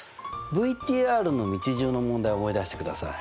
ＶＴＲの道順の問題を思い出してください。